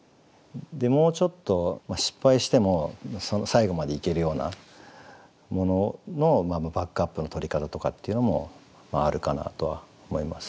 もうちょっと失敗しても最後までいけるようなもののバックアップのとり方とかっていうのもあるかなとは思いますね。